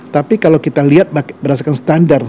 tapi kalau kita lihat berdasarkan standar